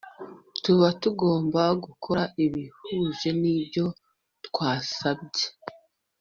tuba tugomba gukora ibihuje n ibyo twasabye